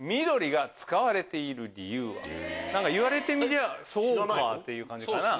言われてみりゃそうか！っていう感じかな。